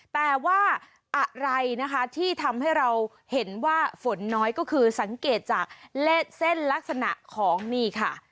แต่ว่าอะไรนะคะที่ทำให้เราเห็นว่าฝนน้อยก็คือสังเกตจากเส้นลักษณะของนี่ค่ะ